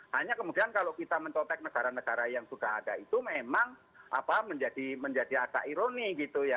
hanya kemudian kalau kita mencotek negara negara yang sudah ada itu memang menjadi agak ironi gitu ya